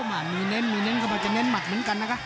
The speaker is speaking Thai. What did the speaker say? มีเน้นมีเน้นเข้าไปจะเน้นหมัดเหมือนกันนะคะ